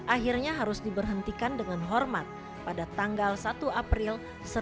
akhirnya harus diberhentikan dengan hormat pada tanggal satu april seribu sembilan ratus empat puluh lima